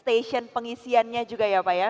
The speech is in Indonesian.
stasiun pengisiannya juga ya pak ya